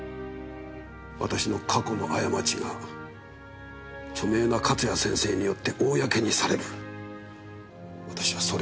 私の過去の過ちが著名な勝谷先生によって公にされる私はそれにおびえました。